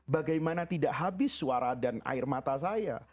bagaimana tidak habis suara dan air mata saya